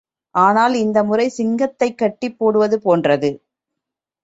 ஆனால் இந்த முறை சிங்கத்தைக் கட்டிப் போடுவது போன்றது.